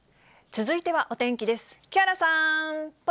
続いてはお天気です。